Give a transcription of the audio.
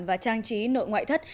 và trang trí nội ngoại thất